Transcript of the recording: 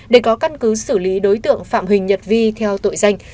để có căn cứ xử lý đối tượng phạm huỳnh nhật vi theo tội danh